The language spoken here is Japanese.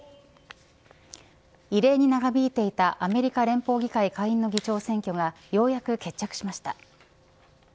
異例に長引いていたアメリカ連邦議会下院の議長選挙がようやく決着しました。